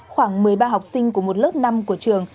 khoảng một mươi ba học sinh của một lớp năm của trường